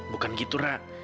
bukan gitu ra